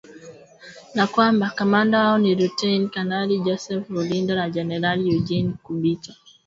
Na kwamba kamanda wao ni Luteini kanali Joseph Rurindo na Generali Eugene Nkubito, kutoka kambi ya kijeshi ya Kibungo nchini Rwanda